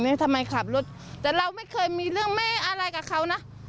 เรียนทำไมขาดรถแต่เราไม่เคยมีเรื่องอะไรก็เขานะ